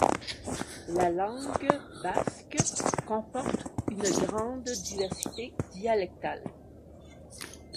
La langue basque comporte une grande diversité dialectale.